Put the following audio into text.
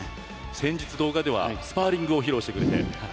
先日、動画ではスパーリングを披露されていて。